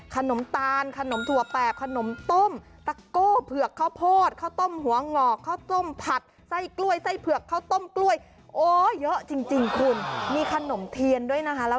ขนมตาลขนมถั่วแปบขนมต้มตาโก้เผื่อกข้าวโพด